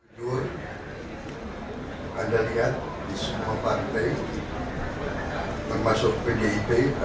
tidur anda lihat di semua pantai termasuk pdip ada dinasti politik